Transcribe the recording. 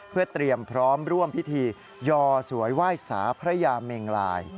เพื่อเตรียมพร้อมร่วมพิธียอสวยไหว้สาพระยาเมงลาย